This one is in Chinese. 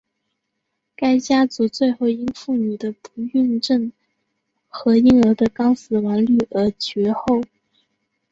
该家族最后因妇女的不孕症和婴儿的高死亡率而绝后。